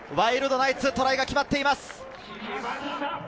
ワイドナイツ、トライが決まっています。